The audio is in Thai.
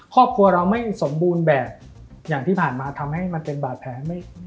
ครอบครัวเราไม่สมบูรณ์แบบอย่างที่ผ่านมาทำให้มันเป็นบาดแผลไม่